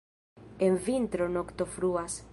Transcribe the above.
En vintro, nokto fruas.